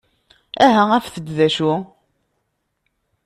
Aha afet-d d acu!